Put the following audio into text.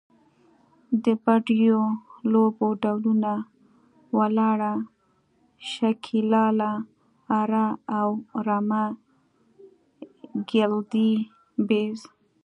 د بډیو لوبو ډولونه، ولاړه، شکیلاله، اره او رمه، ګیلدي، بیز …